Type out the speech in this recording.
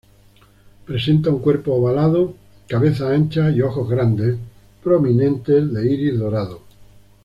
Presenta un cuerpo ovalado, cabeza ancha y ojos grandes, prominentes de iris dorado.